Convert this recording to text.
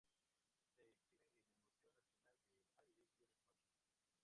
Se exhibe en el Museo Nacional del Aire y el Espacio.